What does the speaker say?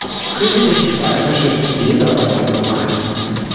Königlich Bayerisches Jägerbataillon ein.